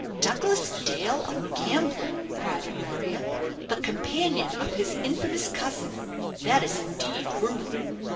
"Douglas Dale a gambler!" cried Honoria; "the companion of his infamous cousin! That is indeed ruin."